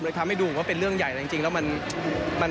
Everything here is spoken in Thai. ทำให้ดูว่าเป็นเรื่องใหญ่แต่จริงแล้วมัน